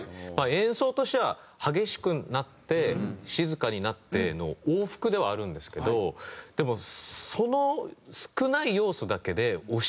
演奏としては激しくなって静かになっての往復ではあるんですけどでもその少ない要素だけで押し切るのって